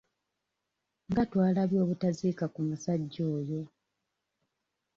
Nga twalabye obutaziika ku musajja oyo.